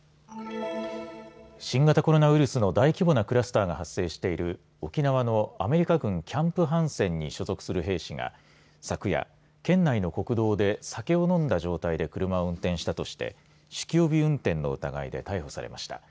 新型コロナウイルスの大規模なクラスターが発生している沖縄のアメリカ軍キャンプハンセンに所属する兵士が昨夜、県内の国道で酒を飲んだ状態で車を運転したとして酒気帯び運転の疑いで逮捕されました。